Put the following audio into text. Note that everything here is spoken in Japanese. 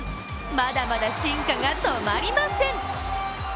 まだまだ進化が止まりません。